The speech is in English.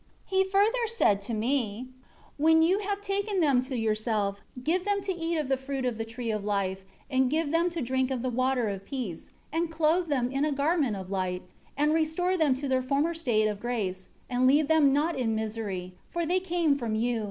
16 He further said to me, 'When you have taken them to yourself, give them to eat of the fruit of the Tree of Life, and give them to drink of the water of peace; and clothe them in a garment of light, and restore them to their former state of grace, and leave them not in misery, for they came from you.